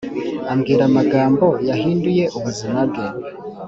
amubwira amagambo yahinduye ubuzima bwe